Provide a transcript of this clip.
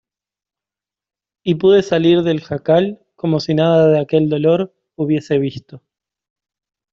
y pude salir del jacal como si nada de aquel dolor hubiese visto.